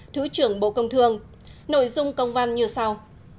thứ trưởng bộ công thương nội dung công văn như sau